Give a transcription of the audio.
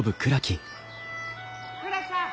・倉木さん！